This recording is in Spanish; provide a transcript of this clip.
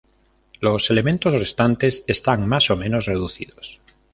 Los elementos restantes están más o menos reducidos.